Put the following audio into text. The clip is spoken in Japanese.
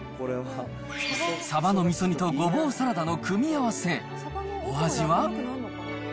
サバのみそ煮とゴボウサラダの組み合わせ。